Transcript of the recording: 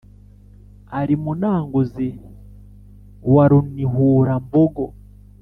Ari Munanguzi wa Runihurambogo.